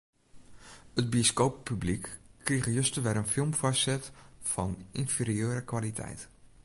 It bioskooppublyk krige juster wer in film foarset fan ynferieure kwaliteit.